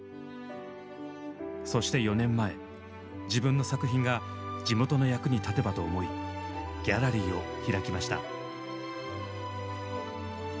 そして４年前自分の作品が地元の役に立てばと思いギャラリーを開きました。